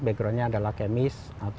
backgroundnya adalah kemis